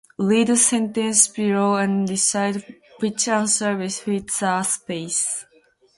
Read the sentence below and decide which answer best fits the space.